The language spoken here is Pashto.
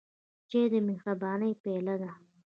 چای د مهربانۍ پیاله ده.